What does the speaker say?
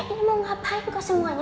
ini mau ngapain kok semuanya